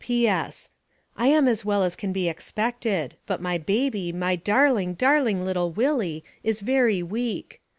" P. S. I am as well as can be expected, but my baby, my darling, darling little Willie, is very weak.